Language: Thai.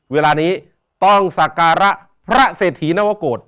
เวลานี้ต้องสักการะพระเศรษฐีนวโกรธ